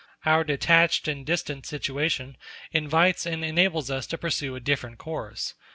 Our detached and distant situation invites and enables us to pursue a different course.